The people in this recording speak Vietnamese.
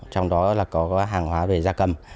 trong đó là có hàng hóa về ra cầm